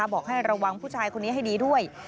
บอกให้ระวังผู้ชายคนนี้ให้ดีด้วย